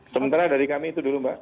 sementara dari kami itu dulu mbak